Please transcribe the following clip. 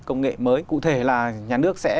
công nghệ mới cụ thể là nhà nước sẽ